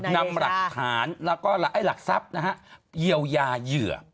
นำหลักฐานแล้วก็หลักทรัพย์นะฮะเยียวยาเหยื่อ